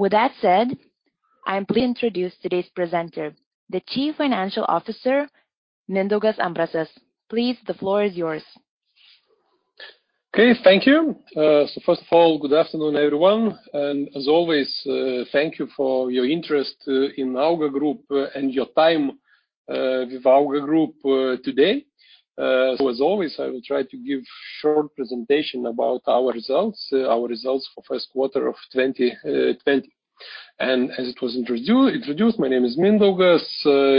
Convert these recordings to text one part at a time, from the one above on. With that said, I'm pleased to introduce today's presenter, the Chief Financial Officer, Mindaugas Ambrasas. Please, the floor is yours. Okay. Thank you. First of all, good afternoon, everyone, and as always, thank you for your interest in Auga Group and your time with Auga Group today. As always, I will try to give short presentation about our results for first quarter of 2020. As was introduced, my name is Mindaugas.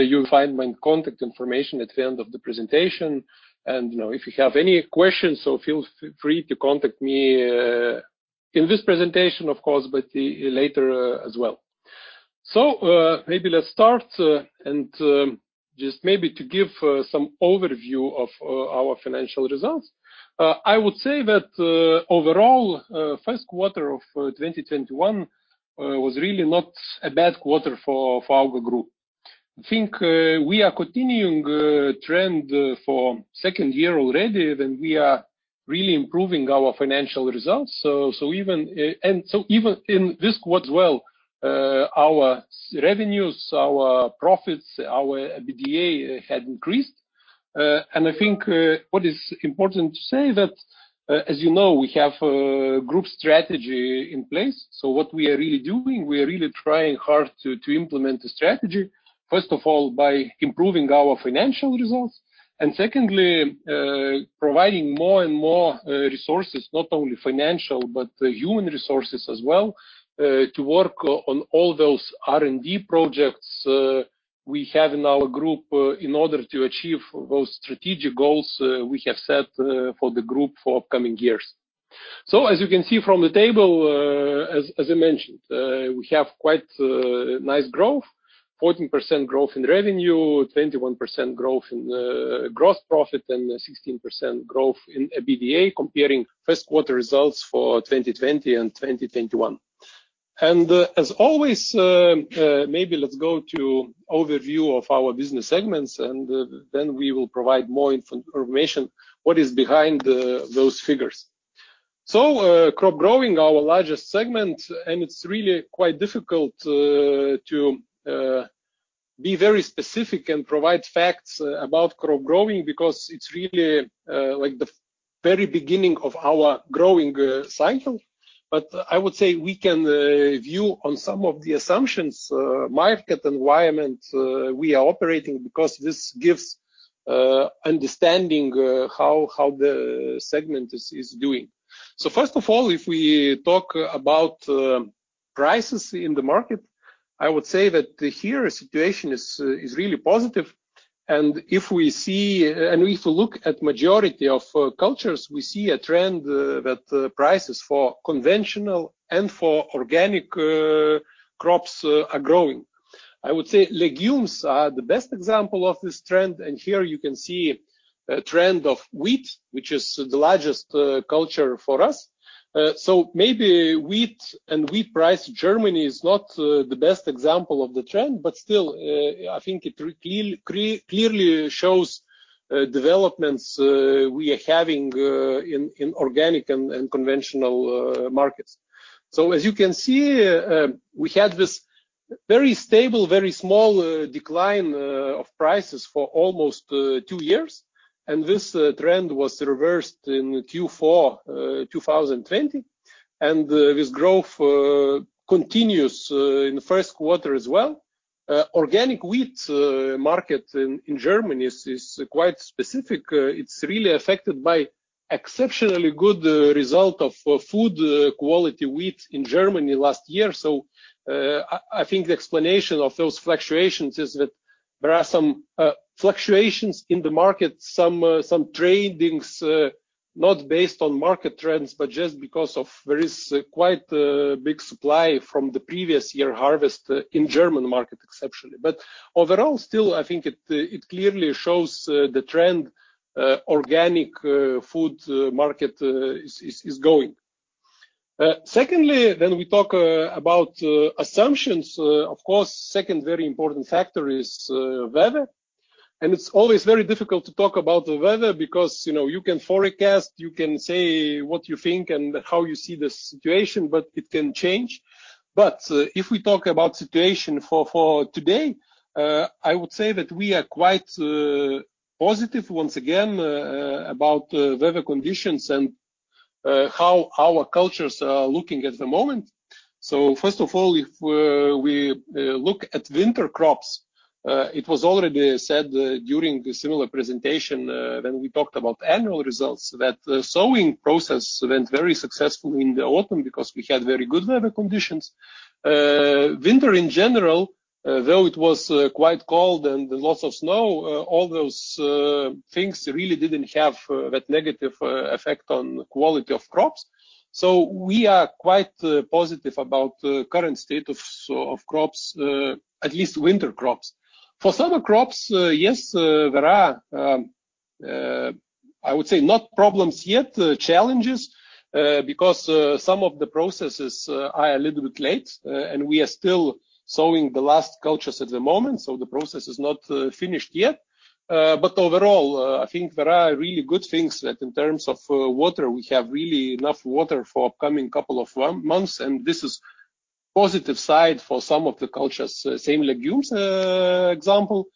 You'll find my contact information at the end of the presentation, and if you have any questions, so feel free to contact me in this presentation, of course, but later as well. Maybe let's start, and just maybe to give some overview of our financial results. I would say that overall, first quarter of 2021 was really not a bad quarter for Auga Group. I think we are continuing trend for second year already, and we are really improving our financial results. Even in this quarter as well, our revenues, our profits, our EBITDA had increased. I think what is important to say that, as you know, we have a group strategy in place. What we are really doing, we are really trying hard to implement the strategy, first of all, by improving our financial results and secondly, providing more and more resources, not only financial but human resources as well, to work on all those R&D projects we have in our group in order to achieve those strategic goals we have set for the group for upcoming years. As you can see from the table, as I mentioned, we have quite nice growth, 14% growth in revenue, 21% growth in gross profit, and 16% growth in EBITDA comparing first quarter results for 2020 and 2021. As always, maybe let's go to overview of our business segments, and then we will provide more information what is behind those figures. Crop growing, our largest segment, and it's really quite difficult to be very specific and provide facts about crop growing because it's really like the very beginning of our growing cycle. I would say we can view on some of the assumptions, market, environment we are operating because this gives understanding how the segment is doing. First of all, if we talk about prices in the market, I would say that here situation is really positive. If we look at majority of cultures, we see a trend that prices for conventional and for organic crops are growing. I would say legumes are the best example of this trend, and here you can see a trend of wheat, which is the largest culture for us. Maybe wheat and wheat price in Germany is not the best example of the trend, but still, I think it clearly shows developments we are having in organic and conventional markets. As you can see, we had this very stable, very small decline of prices for almost two years, and this trend was reversed in Q4 2020, and this growth continues in first quarter as well. Organic wheat market in Germany is quite specific. It's really affected by exceptionally good result of food quality wheat in Germany last year. I think the explanation of those fluctuations is that there are some fluctuations in the market, some tradings not based on market trends, but just because there is quite a big supply from the previous year harvest in German market exceptionally. Overall, still, I think it clearly shows the trend organic food market is going. Secondly, when we talk about assumptions, of course, second very important factor is weather. It's always very difficult to talk about the weather because you can forecast, you can say what you think and how you see the situation, but it can change. If we talk about situation for today, I would say that we are quite positive once again, about weather conditions and how our cultures are looking at the moment. First of all, if we look at winter crops, it was already said during the similar presentation when we talked about annual results, that the sowing process went very successfully in the autumn because we had very good weather conditions. Winter in general, though it was quite cold and lots of snow, all those things really didn't have that negative effect on the quality of crops. We are quite positive about the current state of crops, at least winter crops. For summer crops, yes, there are, I would say not problems yet, challenges, because some of the processes are a little bit late, and we are still sowing the last cultures at the moment, so the process is not finished yet. Overall, I think there are really good things that in terms of water, we have really enough water for coming couple of months, and this is positive side for some of the cultures, same legumes example.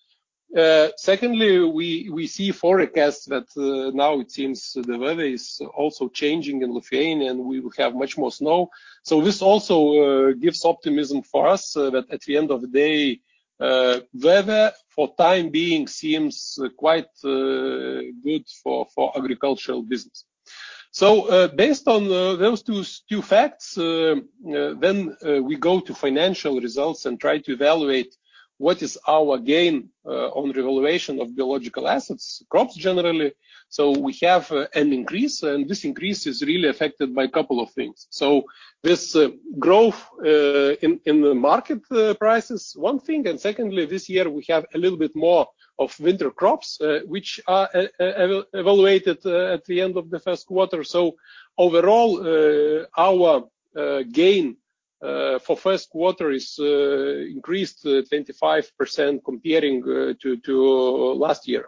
Secondly, we see forecasts that now it seems the weather is also changing in Lithuania, and we will have much more snow. This also gives optimism for us that at the end of the day, weather, for time being, seems quite good for agricultural business. Based on those two facts, then we go to financial results and try to evaluate what is our gain on revaluation of biological assets, crops generally. We have an increase, and this increase is really affected by a couple of things. This growth in the market price is one thing, and secondly, this year we have a little bit more of winter crops, which are evaluated at the end of the first quarter. Overall, our gain for first quarter is increased 25% comparing to last year.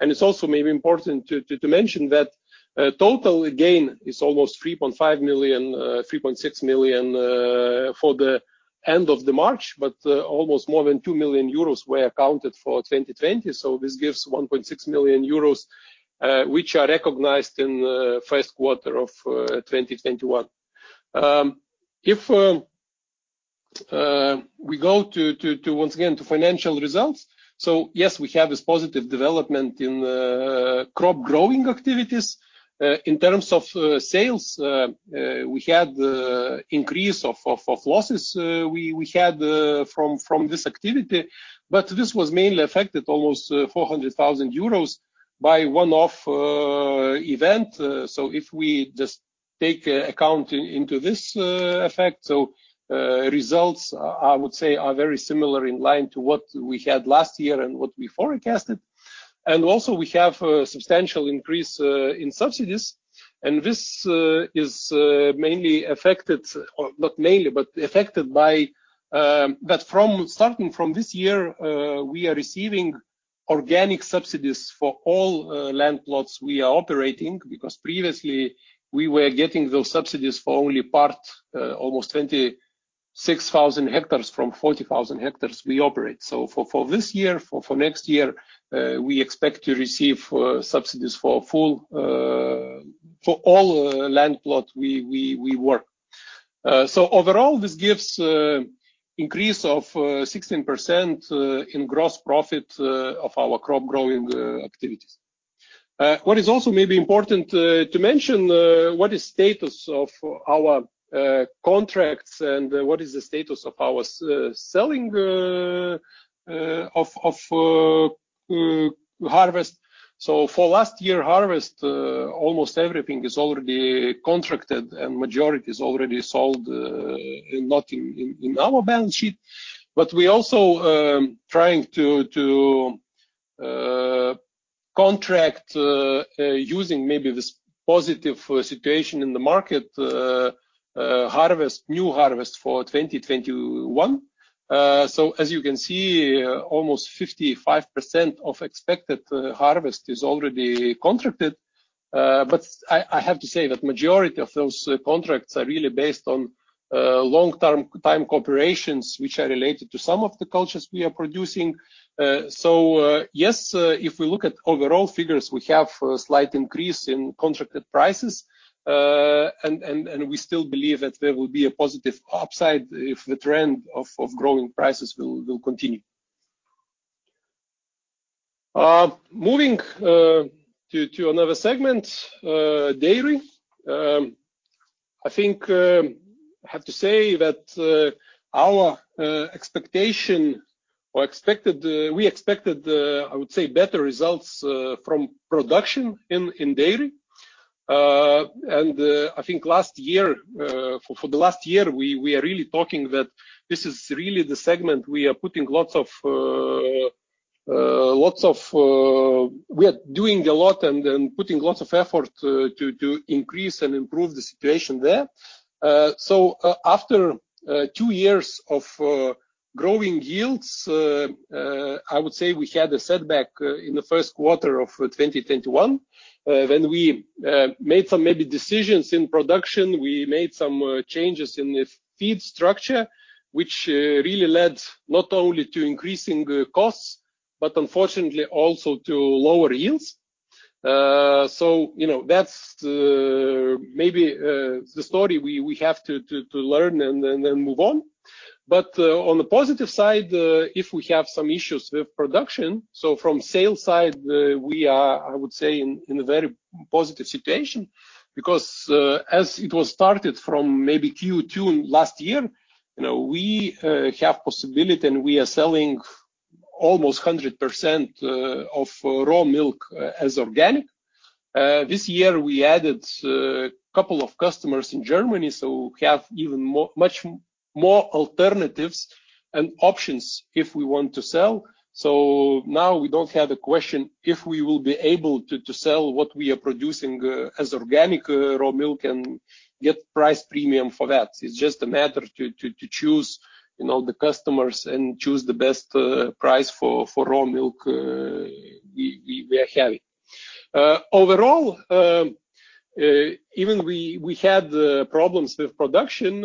It's also maybe important to mention that total gain is almost 3.5 million, 3.6 million for the end of the March, but almost more than 2 million euros were accounted for 2020. This gives 1.6 million euros, which are recognized in first quarter of 2021. If we go to, once again, to financial results, so yes, we have this positive development in crop growing activities. In terms of sales, we had the increase of losses we had from this activity, but this was mainly affected almost 400,000 euros by one-off event. If we just take account into this effect, so results, I would say, are very similar in line to what we had last year and what we forecasted. Also we have a substantial increase in subsidies, and this is mainly affected, or not mainly, but affected by. From starting from this year, we are receiving organic subsidies for all land plots we are operating, because previously we were getting those subsidies for only part, almost 26,000 hectares from 40,000 hectares we operate. For this year, for next year, we expect to receive subsidies for all land plot we work. Overall, this gives increase of 16% in gross profit of our crop growing activities. What is also maybe important to mention, what is status of our contracts and what is the status of our selling of harvest? For last year harvest, almost everything is already contracted and majority is already sold, and not in our balance sheet. We also trying to contract using maybe this positive situation in the market, new harvest for 2021. As you can see, almost 55% of expected harvest is already contracted. I have to say that majority of those contracts are really based on long-term time cooperations, which are related to some of the cultures we are producing. Yes, if we look at overall figures, we have a slight increase in contracted prices, and we still believe that there will be a positive upside if the trend of growing prices will continue. Moving to another segment, dairy. I think I have to say that our expectation, or we expected, I would say better results from production in dairy. I think for the last year, we are really talking that this is really the segment we are doing a lot and putting lots of effort to increase and improve the situation there. After two years of growing yields, I would say we had a setback in the first quarter of 2021. We made some maybe decisions in production. We made some changes in the feed structure, which really led not only to increasing costs, but unfortunately also to lower yields. That's maybe the story we have to learn and then move on. On the positive side, if we have some issues with production, so from sales side, we are, I would say, in a very positive situation, because as it was started from maybe Q2 last year, we have possibility and we are selling almost 100% of raw milk as organic. This year, we added a couple of customers in Germany, so we have even much more alternatives and options if we want to sell. Now we don't have the question if we will be able to sell what we are producing as organic raw milk and get price premium for that. It's just a matter to choose the customers and choose the best price for raw milk we have. Overall, even we had the problems with production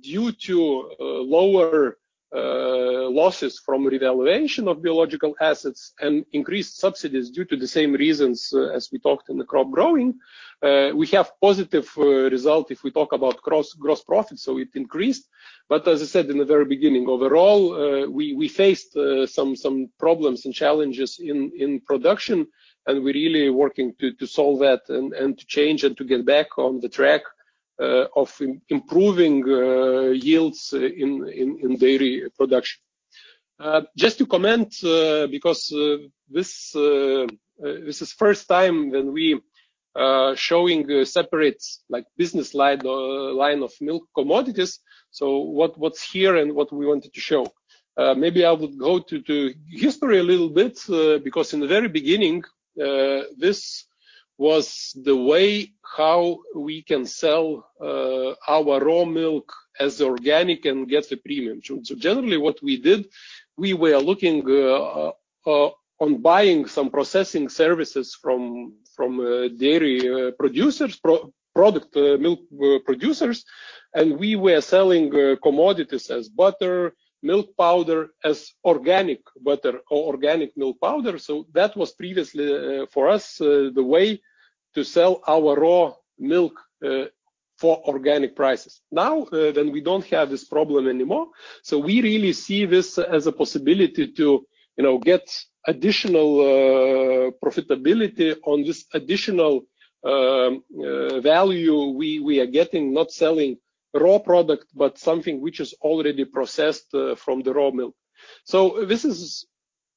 due to lower losses from revaluation of biological assets and increased subsidies due to the same reasons as we talked in the crop growing. We have positive result if we talk about gross profit, so it increased. As I said in the very beginning, overall, we faced some problems and challenges in production, and we're really working to solve that and to change and to get back on the track of improving yields in dairy production. Just to comment, because this is first time when we are showing separate business line of milk commodities, so what's here and what we wanted to show. Maybe I would go to history a little bit because in the very beginning, this was the way how we can sell our raw milk as organic and get a premium. Generally what we did, we were looking on buying some processing services from dairy producers, product milk producers, and we were selling commodities as butter, milk powder, as organic butter or organic milk powder. That was previously for us the way to sell our raw milk for organic prices. Now we don't have this problem anymore, so we really see this as a possibility to get additional profitability on this additional value we are getting, not selling raw product, but something which is already processed from the raw milk. This is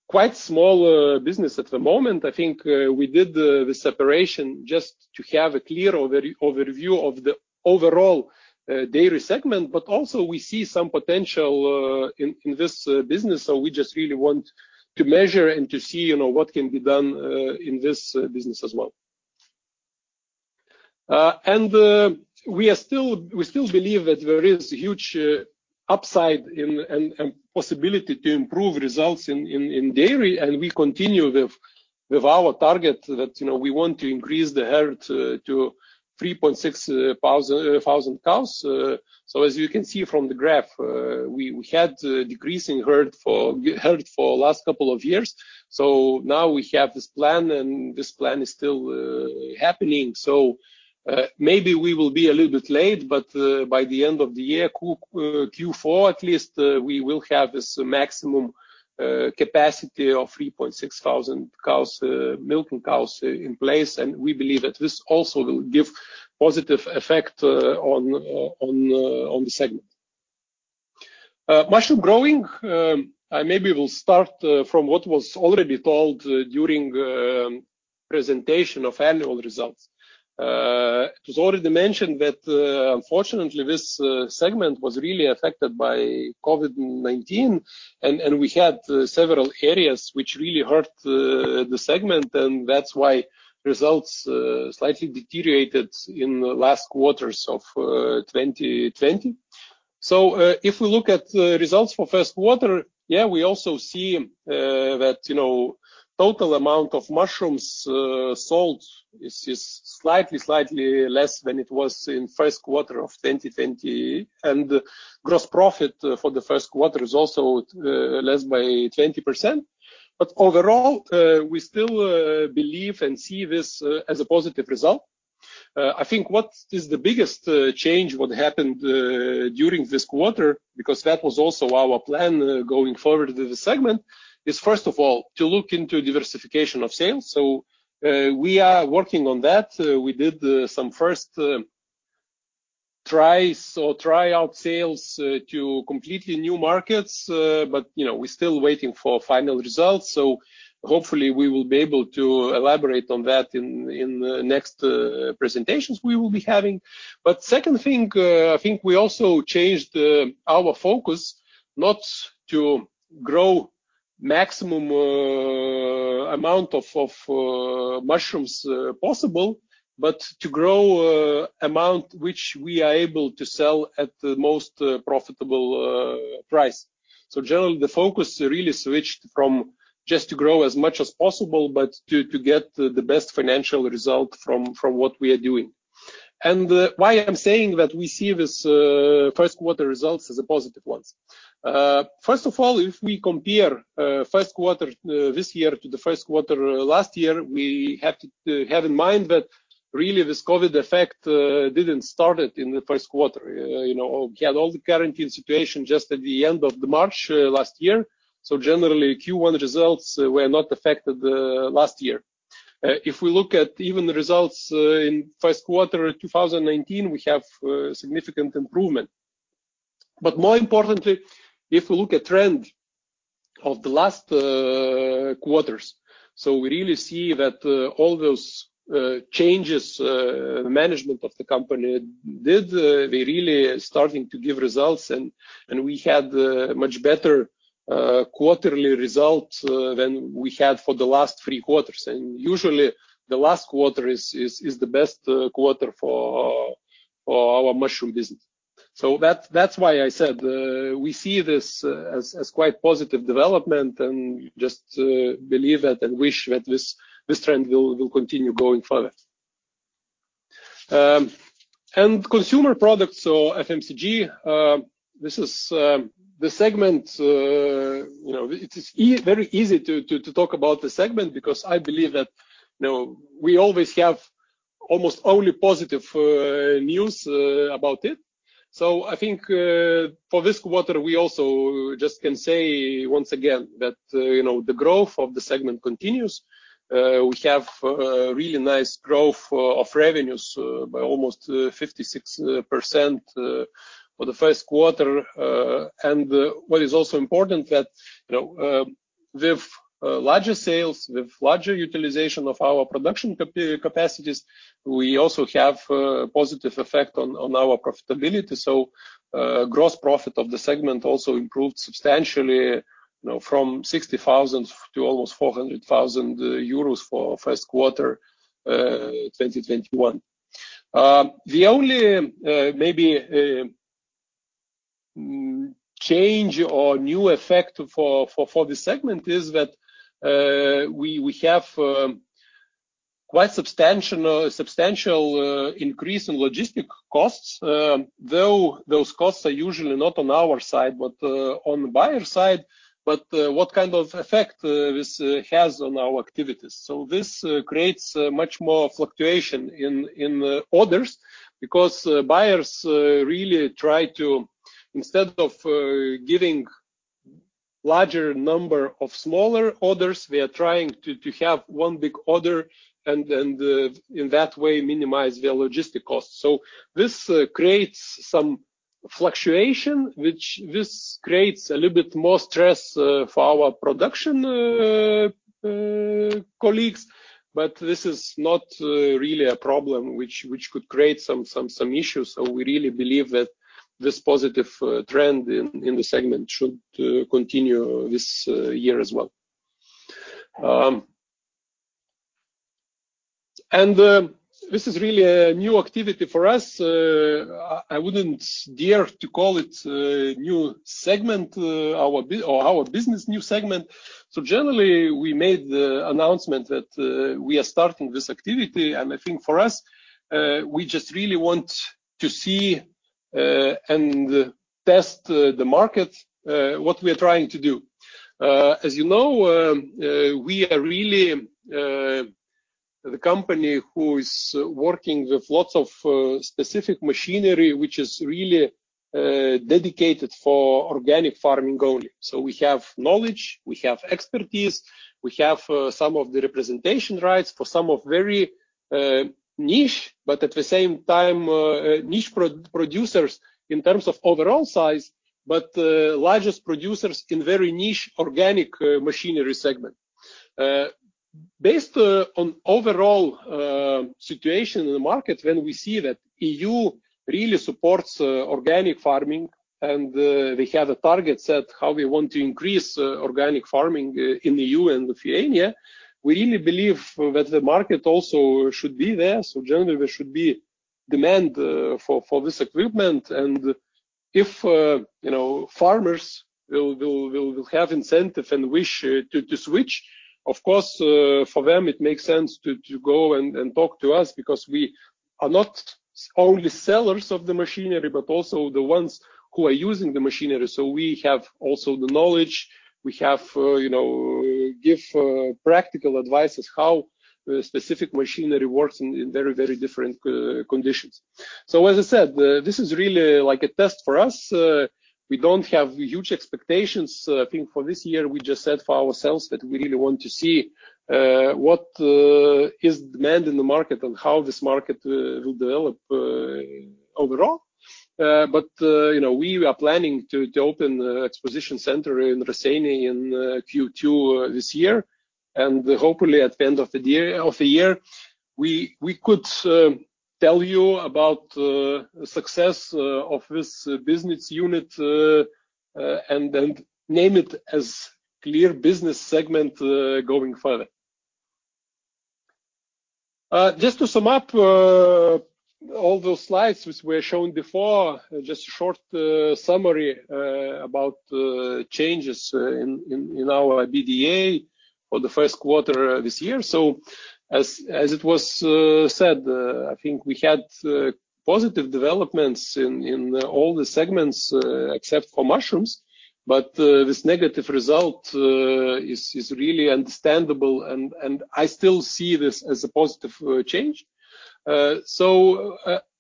quite small business at the moment. I think we did the separation just to have a clear overview of the overall dairy segment, but also we see some potential in this business. We just really want to measure and to see what can be done in this business as well. We still believe that there is a huge upside and possibility to improve results in dairy, and we continue with our target that we want to increase the herd to 3,600 cows. As you can see from the graph, we had decreasing herd for last couple of years. Now we have this plan, and this plan is still happening. Maybe we will be a little bit late, but by the end of the year, Q4 at least, we will have this maximum capacity of 3,600 milking cows in place. We believe that this also will give positive effect on the segment, mushroom growing. We'll start from what was already told during presentation of annual results. It was already mentioned that unfortunately, this segment was really affected by COVID-19, and we had several areas which really hurt the segment, and that's why results slightly deteriorated in the last quarters of 2020. If we look at the results for first quarter, we also see that total amount of mushrooms sold is just slightly less than it was in first quarter of 2020. Gross profit for the first quarter is also less by 20%. Overall, we still believe and see this as a positive result. I think what is the biggest change what happened during this quarter, because that was also our plan going forward with the segment, is first of all to look into diversification of sales. We are working on that. We did some first tryout sales to completely new markets. We're still waiting for final results. Hopefully we will be able to elaborate on that in the next presentations we will be having. Second thing, I think we also changed our focus not to grow maximum amount of mushrooms possible, but to grow amount which we are able to sell at the most profitable price. Generally, the focus really switched from just to grow as much as possible, but to get the best financial result from what we are doing. Why I'm saying that we see this first quarter results as a positive one. First of all, if we compare first quarter this year to the first quarter last year, we have to have in mind that really this COVID-19 effect didn't start in the first quarter. We had all the quarantine situation just at the end of the March last year. Generally, Q1 results were not affected last year. If we look at even the results in first quarter of 2019, we have significant improvement. More importantly, if we look at trend of the last quarters, we really see that all those changes management of the company did, they really are starting to give results and we had much better quarterly results than we had for the last three quarters. Usually the last quarter is the best quarter for our mushroom business. That's why I said we see this as quite positive development and just believe that and wish that this trend will continue going further. Consumer products or FMCG, it is very easy to talk about the segment because I believe that we always have almost only positive news about it. I think for this quarter, we also just can say once again that the growth of the segment continues. We have really nice growth of revenues by almost 56% for the first quarter. What is also important that with larger sales, with larger utilization of our production capacities, we also have a positive effect on our profitability. Gross profit of the segment also improved substantially, from 60,000 to almost 400,000 euros for first quarter 2021. The only maybe change or new effect for this segment is that we have quite substantial increase in logistic costs, though those costs are usually not on our side, but on the buyer side. What kind of effect this has on our activities? This creates much more fluctuation in orders because buyers really try to, instead of giving larger number of smaller orders, they are trying to have one big order and in that way minimize their logistic costs. This creates some fluctuation. This creates a little bit more stress for our production colleagues, but this is not really a problem which could create some issues. We really believe that this positive trend in the segment should continue this year as well. This is really a new activity for us. I wouldn't dare to call it a new segment or our business' new segment. Generally, we made the announcement that we are starting this activity, and I think for us, we just really want to see and test the market, what we are trying to do. As you know, we are really the company who is working with lots of specific machinery, which is really dedicated for organic farming only. We have knowledge, we have expertise, we have some of the representation rights for some of very niche, but at the same time niche producers in terms of overall size, but largest producers in very niche organic machinery segment. Based on overall situation in the market, when we see that E.U. really supports organic farming and they have a target set how we want to increase organic farming in the E.U. and with Asia, we really believe that the market also should be there. Generally, there should be demand for this equipment and if farmers will have incentive and wish to switch, of course, for them, it makes sense to go and talk to us because we are not only sellers of the machinery, but also the ones who are using the machinery. We have also the knowledge. We give practical advice as how specific machinery works in very different conditions. As I said, this is really like a test for us. We don't have huge expectations. I think for this year, we just said for ourselves that we really want to see what is demand in the market and how this market will develop overall. We are planning to open the exposition center in Raseiniai in Q2 this year, and hopefully at the end of the year, we could tell you about success of this business unit, and then name it as clear business segment going further. Just to sum up all those slides which were shown before, just a short summary about changes in our EBITDA for the first quarter this year. As it was said, I think we had positive developments in all the segments except for mushrooms. This negative result is really understandable, and I still see this as a positive change. As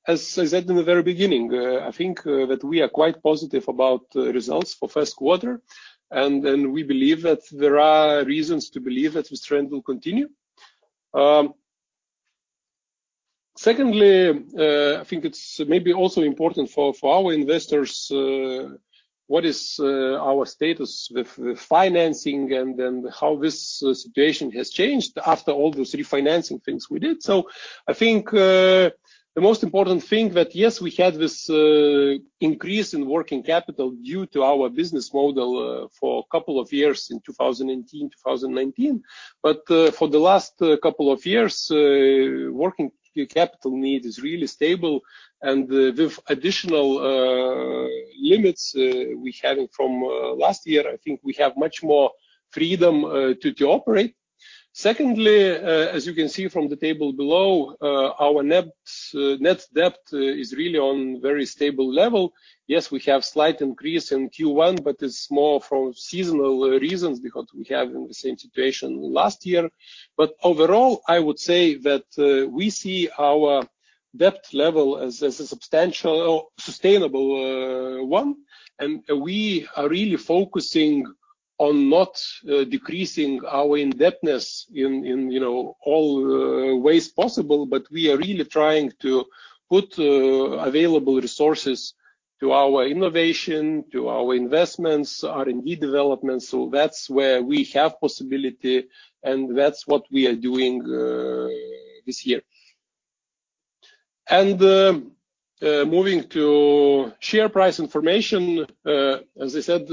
I said in the very beginning, I think that we are quite positive about results for first quarter, and we believe that there are reasons to believe that this trend will continue. I think it's maybe also important for our investors, what is our status with the financing how this situation has changed after all those refinancing things we did. The most important thing that, yes, we had this increase in working capital due to our business model for a couple of years in 2018, 2019. For the last couple of years, working capital need is really stable and with additional limits we had from last year, I think we have much more freedom to operate. As you can see from the table below, our net debt is really on very stable level. Yes, we have slight increase in Q1, it's more from seasonal reasons because we have the same situation last year. Overall, I would say that we see our debt level as a sustainable one, and we are really focusing on not decreasing our indebtedness in all ways possible. We are really trying to put available resources to our innovation, to our investments, R&D development. That's where we have possibility, and that's what we are doing this year. Moving to share price information. As I said,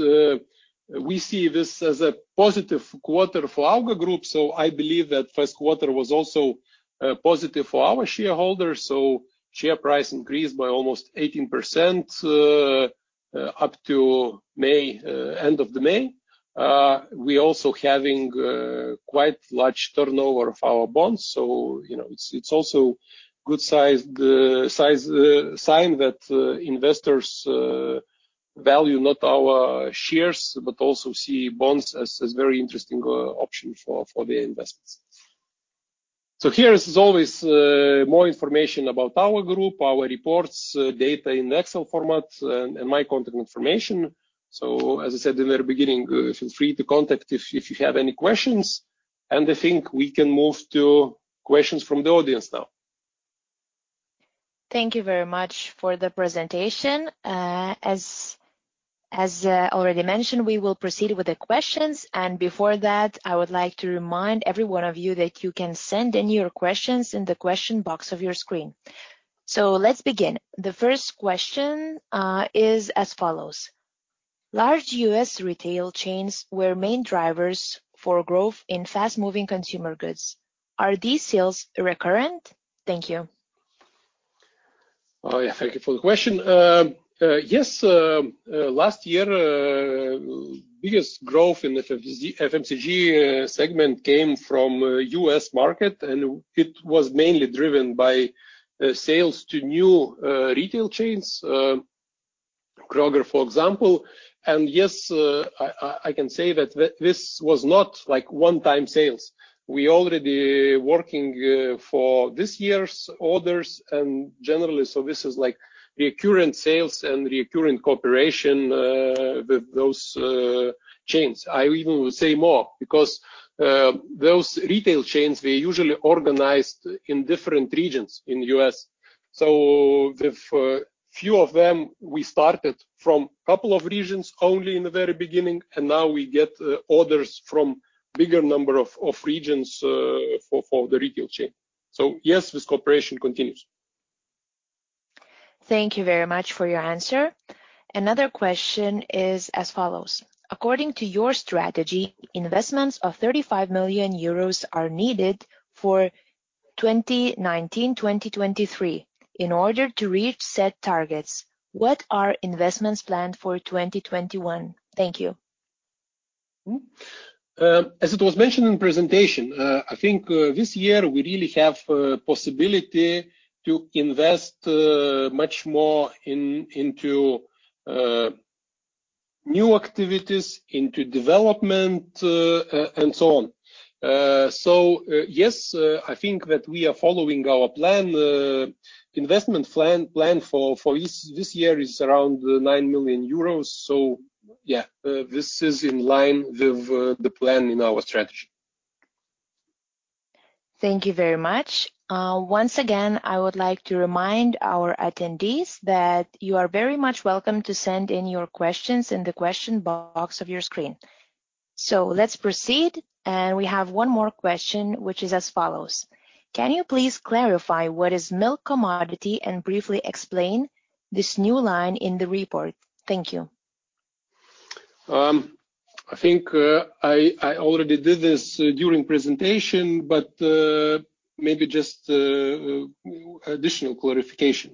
we see this as a positive quarter for Auga Group. I believe that first quarter was also positive for our shareholders. Share price increased by almost 18% up to end of May. We also having quite large turnover of our bonds. It's also good sign that investors value not our shares, but also see bonds as very interesting option for their investments. Here is always more information about Auga Group, our reports, data in Excel format, and my contact information. As I said in the very beginning, feel free to contact if you have any questions, and I think we can move to questions from the audience now. Thank you very much for the presentation. As already mentioned, we will proceed with the questions. Before that, I would like to remind every one of you that you can send in your questions in the question box of your screen. Let's begin. The first question is as follows: Large U.S. retail chains were main drivers for growth in fast-moving consumer goods. Are these sales recurrent? Thank you. Thank you for the question. Yes. Last year, biggest growth in FMCG segment came from U.S. market, and it was mainly driven by sales to new retail chains, Kroger, for example. Yes, I can say that this was not one-time sales. We already working for this year's orders and generally, so this is the recurrent sales and the recurrent cooperation with those chains. I even would say more because those retail chains, they usually organized in different regions in U.S. With few of them, we started from couple of regions only in the very beginning, and now we get orders from bigger number of regions for the retail chain. Yes, this cooperation continues. Thank you very much for your answer. Another question is as follows: According to your strategy, investments of 35 million euros are needed for 2019-2023 in order to reach set targets. What are investments planned for 2021? Thank you. As it was mentioned in presentation, I think this year we really have possibility to invest much more into new activities, into development and so on. Yes, I think that we are following our plan. Investment plan for this year is around 9 million euros. Yeah, this is in line with the plan in our strategy. Thank you very much. Once again, I would like to remind our attendees that you are very much welcome to send in your questions in the question box of your screen. Let's proceed. We have one more question, which is as follows: Can you please clarify what is milk commodity and briefly explain this new line in the report? Thank you. I think I already did this during presentation, but maybe just additional clarification.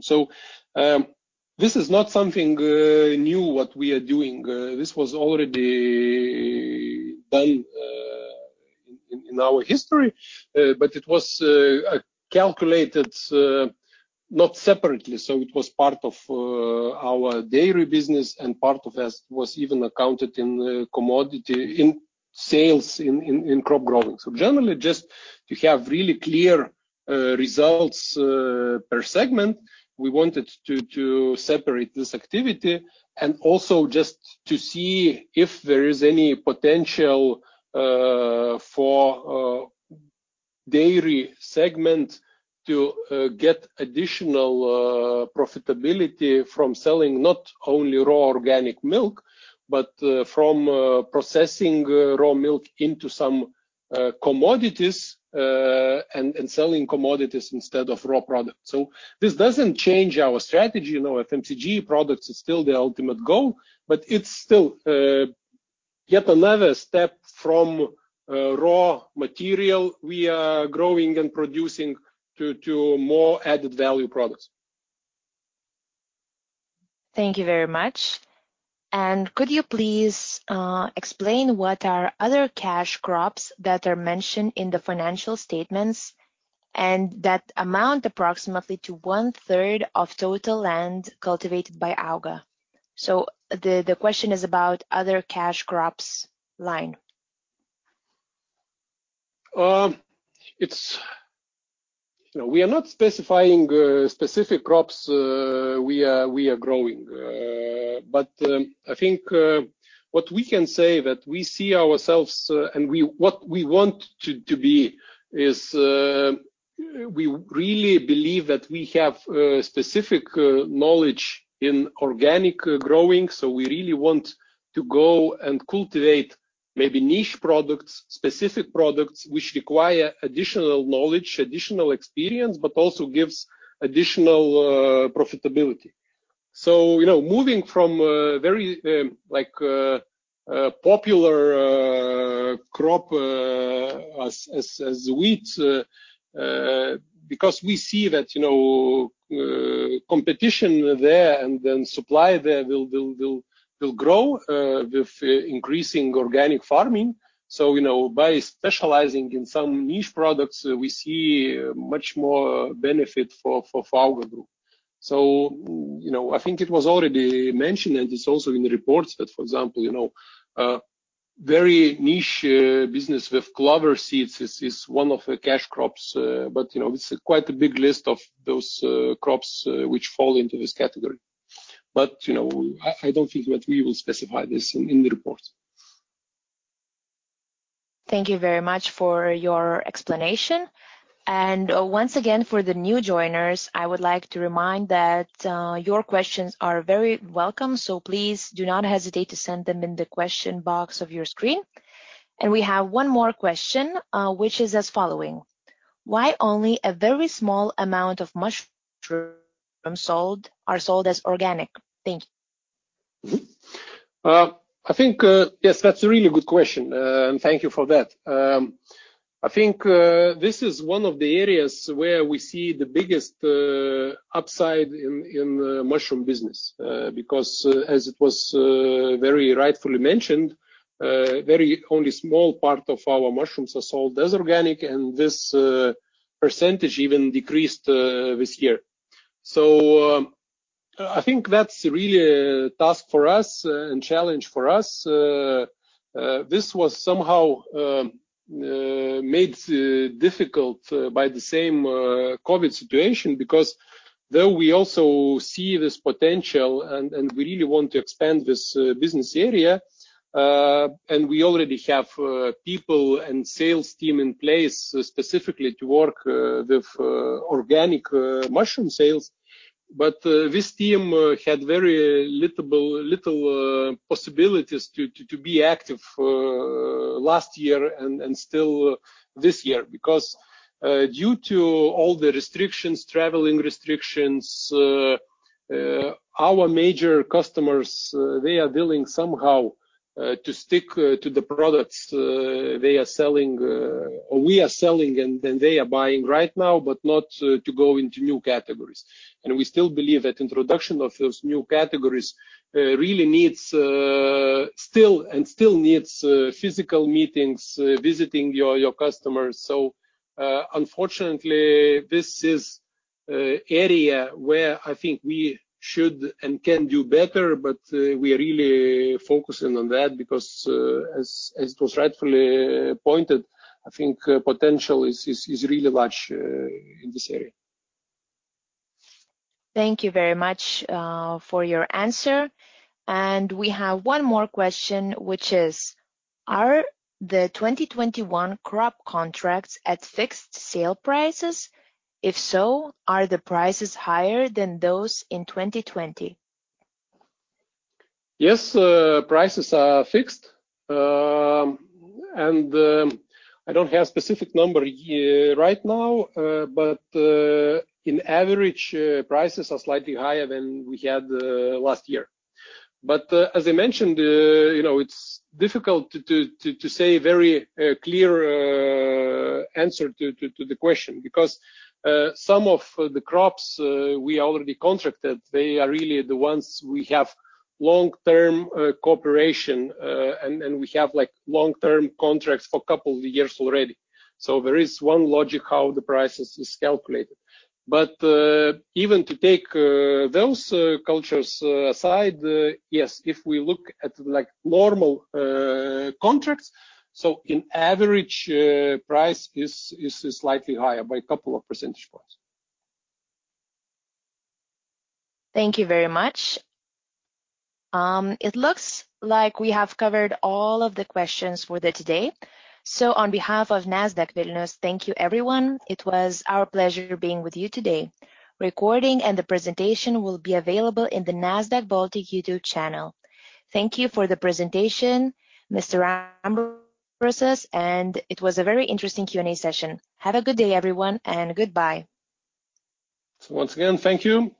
This is not something new what we are doing. This was already done in our history, but it was calculated not separately. It was part of our dairy business and part of that was even accounted in commodity in sales in crop growing. Generally, just to have really clear results per segment, we wanted to separate this activity and also just to see if there is any potential for dairy segment to get additional profitability from selling not only raw organic milk, but from processing raw milk into some commodities, and selling commodities instead of raw products. This doesn't change our strategy, FMCG products is still the ultimate goal, but it's still yet another step from raw material we are growing and producing to more added value products. Thank you very much. Could you please explain what are other cash crops that are mentioned in the financial statements and that amount approximately to one-third of total land cultivated by Auga? The question is about other cash crops line. We are not specifying specific crops we are growing. I think what we can say that we see ourselves and what we want to be is, we really believe that we have specific knowledge in organic growing. We really want to go and cultivate maybe niche products, specific products which require additional knowledge, additional experience, but also gives additional profitability. Moving from very popular crop as wheat, because we see that competition there and then supply there will grow with increasing organic farming. By specializing in some niche products, we see much more benefit for Auga Group. I think it was already mentioned, and it's also in the reports that, for example, very niche business with clover seeds is one of the cash crops. It's quite a big list of those crops which fall into this category. I don't think that we will specify this in the report. Thank you very much for your explanation. Once again, for the new joiners, I would like to remind that your questions are very welcome, so please do not hesitate to send them in the question box of your screen. We have one more question, which is as following: Why only a very small amount of mushrooms are sold as organic? Thank you. I think, yes, that's a really good question, and thank you for that. I think this is one of the areas where we see the biggest upside in mushroom business. As it was very rightfully mentioned, very only small part of our mushrooms are sold as organic, and this percentage even decreased this year. I think that's really a task for us and challenge for us. This was somehow made difficult by the same COVID-19 situation because though we also see this potential and we really want to expand this business area. We already have people and sales team in place specifically to work with organic mushroom sales. This team had very little possibilities to be active last year and still this year because due to all the restrictions, traveling restrictions, our major customers, they are willing somehow to stick to the products we are selling and they are buying right now, but not to go into new categories. We still believe that introduction of those new categories and still needs physical meetings, visiting your customers. Unfortunately, this is area where I think we should and can do better, but we are really focusing on that because, as was rightfully pointed, I think potential is really large in this area. Thank you very much for your answer. We have one more question, which is: Are the 2021 crop contracts at fixed sale prices? If so, are the prices higher than those in 2020? Yes, prices are fixed. I don't have specific number right now, but in average, prices are slightly higher than we had last year. As I mentioned, it's difficult to say very clear answer to the question because some of the crops we already contracted, they are really the ones we have long-term cooperation, and we have long-term contracts for a couple of years already. There is one logic how the prices is calculated. Even to take those cultures aside, yes, if we look at normal contracts, so in average price is slightly higher by a couple of percentage points. Thank you very much. It looks like we have covered all of the questions for the day. On behalf of Nasdaq Vilnius, thank you, everyone. It was our pleasure being with you today. Recording and the presentation will be available in the Nasdaq Baltic YouTube channel. Thank you for the presentation, Mr. Ambrasas, and it was a very interesting Q&A session. Have a good day, everyone, and goodbye. Once again, thank you.